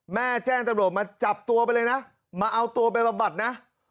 แม่แจ้งตำรวจมาจับตัวไปเลยน่ะมาเอาตัวไปประบัติน่ะ